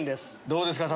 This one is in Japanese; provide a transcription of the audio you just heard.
どうですか？